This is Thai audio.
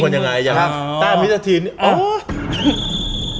อย่างตั้งนี้จะทิ้ง